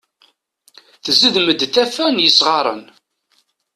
Tezdem-d taffa n yesɣaren.